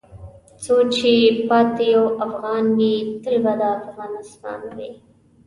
څو چې پاتې یو افغان وې تل به دا افغانستان وې .